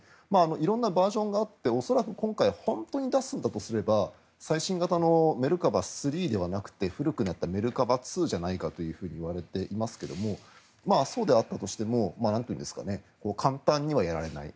色んなバージョンがあって恐らく今回本当に出すんだとすれば最新型のメルカバ３ではなくて古くなったメルカバ２じゃないかといわれていますがそうであったとしても簡単にはやられない。